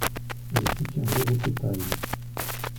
Je soutiendrai votre taille.